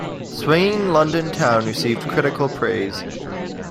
"Swinging London Town" received critical praise.